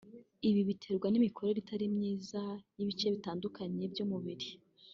Ibi biterwa n’imikorere itari myiza y’ibice bitandukanye by’umubiri